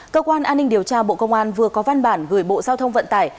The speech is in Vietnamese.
cơ quan an ninh điều tra bộ công an vừa có văn bản gửi bộ giao thông vận tải